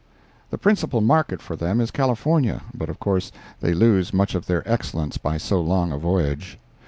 The principal market for them is California, but of course they lose much of their excellence by so long a voyage.